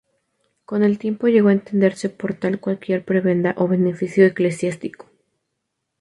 Con el tiempo llegó a entenderse por tal cualquier prebenda o beneficio eclesiástico.